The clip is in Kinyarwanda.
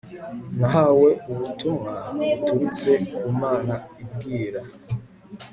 Nahawe ubutumwa buturutse ku Mana ibwira